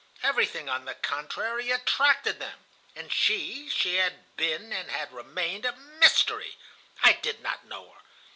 Everything, on the contrary, attracted them. And she, she had been and had remained a mystery. I did not know her.